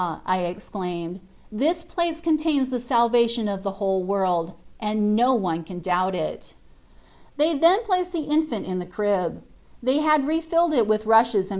" I exclaimed, " this place contains the Salvation of the whole world, and no one can doubt it." They then placed the infant in the crib. They had re filled it with rushes and 3esus Gbrist.